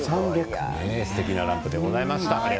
すてきなランプでございました。